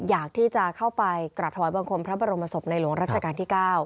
อยากที่จะเข้าไปกราบถวายบังคมพระบรมศพในหลวงรัชกาลที่๙